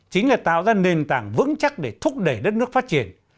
chính là tạo ra nền tảng vững chắc để thúc đẩy đất nước phát triển